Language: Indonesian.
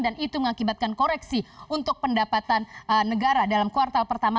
dan itu mengakibatkan koreksi untuk pendapatan negara dalam kuartal pertama